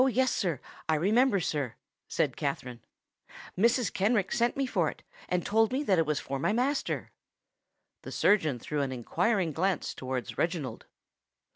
"Oh! yes—I remember, sir," said Katherine: "Mrs. Kenrick sent me for it, and told me that it was for my master." The surgeon threw an inquiring glance towards Reginald.